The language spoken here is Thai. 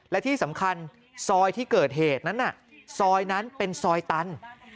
และที่สำคัญซอยที่เกิดเหตุนั้นน่ะซอยนั้นเป็นซอยตัน